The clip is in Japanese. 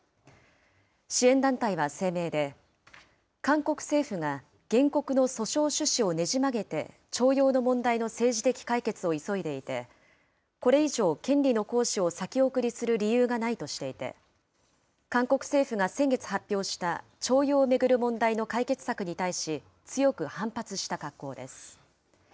支援団体は声明で、韓国政府が原告の訴訟趣旨をねじ曲げて、徴用の問題の政治的解決を急いでいて、これ以上、権利の行使を先送りする理由がないとしていて、韓国政府が先月発表した、徴用を巡る問題の解決策に対し、強く反発した格好です。